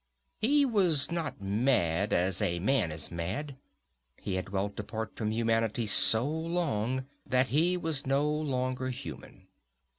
He was not mad, as a man is mad. He had dwelt apart from humanity so long that he was no longer human.